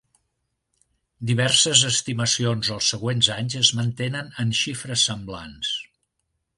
Diverses estimacions els següents anys es mantenen en xifres semblants.